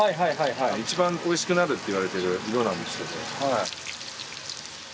一番おいしくなるっていわれてる色なんですけど。